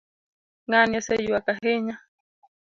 ng'ani oseyuak ahinya